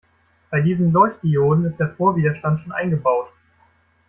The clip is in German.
Bei diesen Leuchtdioden ist der Vorwiderstand schon eingebaut.